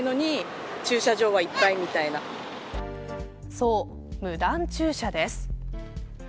そう、無断駐車です。